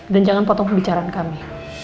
dan jangan potong kebicaraan kami